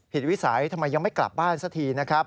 ผิดวิสัยทำไมยังไม่กลับบ้านสักที